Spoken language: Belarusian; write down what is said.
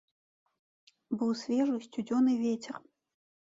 Быў свежы сцюдзёны вецер.